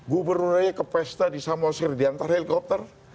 gubernur aja ke pesta di samosir diantar helikopter